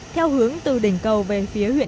theo hướng từ đỉnh cầu về phía trước